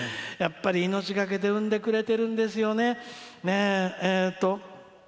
やっぱり命懸けで産んでくれてるんですよね。